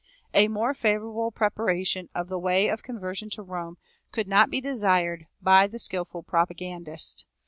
A more favorable preparation of the way of conversion to Rome could not be desired by the skillful propagandist.